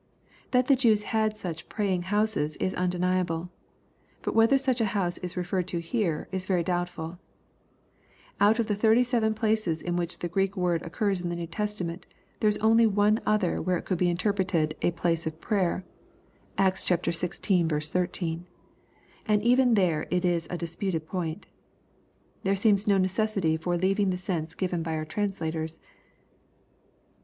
That tlie Jews had such praying houses, is undeniable. But whether such a house is referred to here, is very doubtful Out of the thirty seven places in which the Greek word occurs in the New Testament, there is only one other where it could be interpreted "a place of prayer,'* Acts xvL 13, and even there it is a disputed point There seems no necessity for leaving the sense given by our translators.